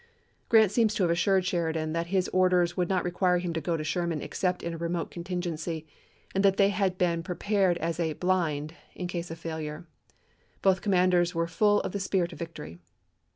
Grant seems to have assured Sheridan that his orders would not require him to go to Sherman except in a remote contingency, and that they had been pre pared as a " blind " in case of failure. Both com manders were full of the spirit of victory.